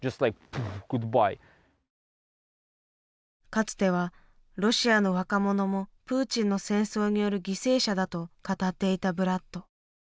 かつては「ロシアの若者もプーチンの戦争による犠牲者だ」と語っていたブラッド。